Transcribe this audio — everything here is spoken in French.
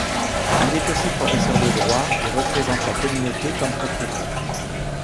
Il est aussi professeur de droit et représente la communauté comme procureur.